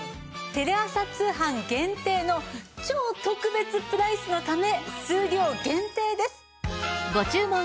テレ朝通販限定の超特別プライスのため数量限定です。